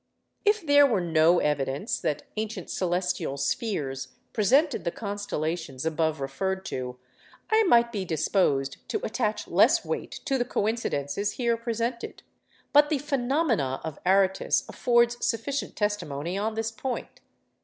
If there were no evidence that ancient celestial spheres presented the constellations above referred to, I might be disposed to attach less weight to the coincidences here presented; but the 'Phenomena' of Aratus affords sufficient testimony on this point.